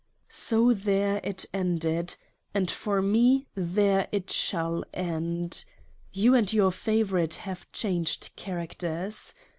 So there it ended : and for me there it shall end. You and your Favorite have changed Characters.